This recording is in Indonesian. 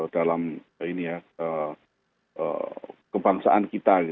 dalam kebangsaan kita